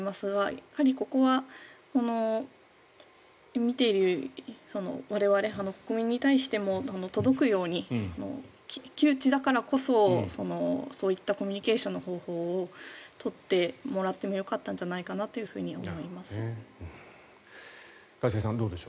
やはり、ここは見ている我々国民に対しても届くように窮地だからこそそういったコミュニケーションの方法を取ってもらってもよかったんじゃないかなと思います。